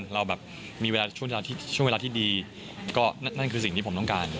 เราแบบมีเวลาช่วงเวลาที่ดีก็นั่นคือสิ่งที่ผมต้องการ